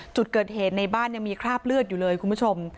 จุดเกิดเหตุในบ้านยังมีคราบเลือดอยู่เลยคุณผู้ชม